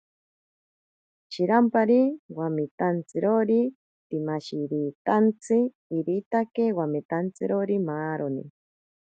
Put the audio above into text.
Shirampari wamitantsirori tsimashiritantsi, iritaki wamitantsirori maaroni.